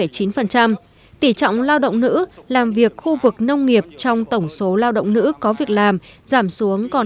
tỷ trọng lao động nữ làm việc khu vực nông nghiệp trong tổng số lao động nữ có việc làm giảm xuống còn hai mươi sáu hai mươi hai